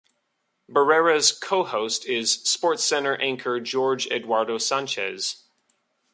Barrera's co-host is SportsCenter anchor Jorge Eduardo Sanchez.